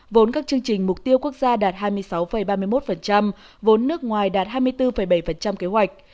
vốn các chương trình mục tiêu quốc gia đạt hai mươi sáu ba mươi một vốn nước ngoài đạt hai mươi bốn bảy kế hoạch